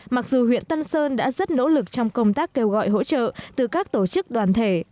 mặc dù huyện tân sơn đã rất nỗ lực trong công tác kêu gọi hỗ trợ từ các tổ chức đoàn thể